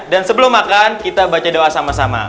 dan sebelum makan kita baca doa sama sama